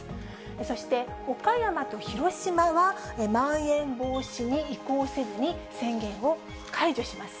そして岡山と広島はまん延防止に移行せずに、宣言を解除します。